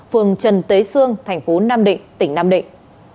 phường trần tế sương thành phố nam định tỉnh nam định